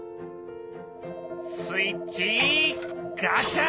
スイッチガチャ！